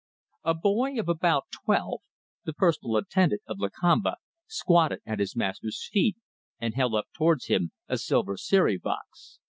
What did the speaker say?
A boy of about twelve the personal attendant of Lakamba squatted at his master's feet and held up towards him a silver siri box.